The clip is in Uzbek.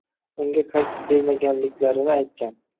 unga qaytim bermaganliklarini aytgan.